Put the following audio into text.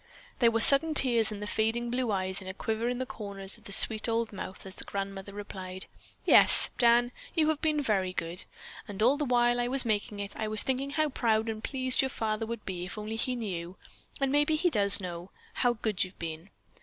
There were sudden tears in the fading blue eyes and a quiver in the corners of the sweet old mouth as the grandmother replied, "Yes, Dan, you have been very good. And all the while I was making it I was thinking how proud and pleased your father would be if he only knew, and maybe he does know, how good you've been.